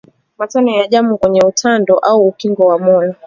Matone ya damu kwenye utando au ukingo wa moyo